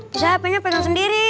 bisa hp nya pegang sendiri